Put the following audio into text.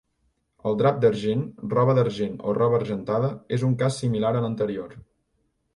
El drap d'argent, roba d'argent o roba argentada és un cas similar a l'anterior.